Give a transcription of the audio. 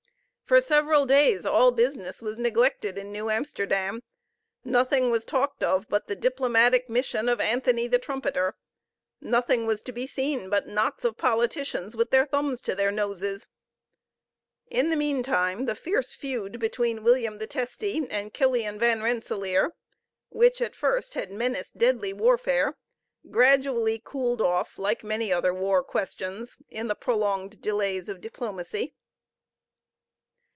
For several days all business was neglected in New Amsterdam; nothing was talked of but the diplomatic mission of Anthony the Trumpeter, nothing was to be seen but knots of politicians with their thumbs to their noses. In the meantime the fierce feud between William the Testy and Killian Van Rensellaer, which at first had menaced deadly warfare, gradually cooled off, like many other war questions, in the prolonged delays of diplomacy.